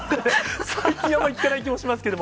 最近あまり聞かない気もしますけど。